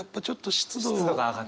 湿度が上がって。